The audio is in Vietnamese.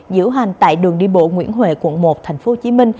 diễu hành tại đường đi bộ nguyễn huệ quận một tp hcm